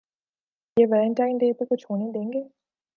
نہ Valentine day پہ کچھ ہونے دیں گے۔